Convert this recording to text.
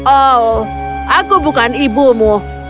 oh aku bukan ibumu